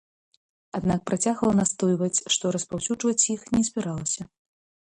Аднак працягвала настойваць, што распаўсюджваць іх не збіралася.